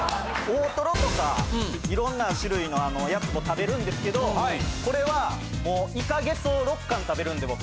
大トロとか色んな種類のやつも食べるんですけどこれはもうイカゲソを６貫食べるんで僕。